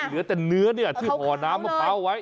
เหลือแต่เนื้อที่ห่อน้ำมะพร้าวไว้